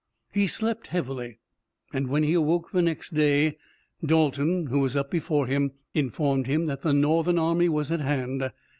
He slept heavily, and when he awoke the next day Dalton, who was up before him, informed him that the Northern army was at hand.